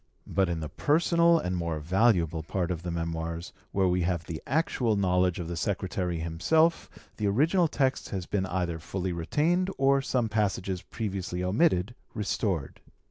But in the personal and more valuable part of the Memoirs, where we have the actual knowledge of the secretary himself, the original text has been either fully retained, or some few passages previously omitted restored.